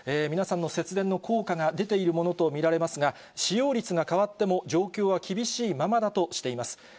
皆さんの節電の効果が出ているものと見られますが、使用率が変わっても、状況は厳しいままだとしています。